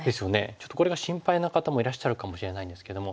ちょっとこれが心配な方もいらっしゃるかもしれないんですけども。